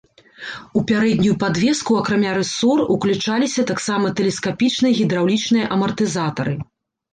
У пярэднюю падвеску акрамя рысор ўключаліся таксама тэлескапічныя гідраўлічныя амартызатары.